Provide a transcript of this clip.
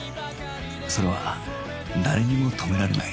それは誰にも止められない